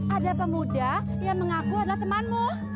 ada pemuda yang mengaku adalah temanmu